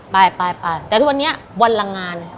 ไปแต่วันนี้วันลังงาน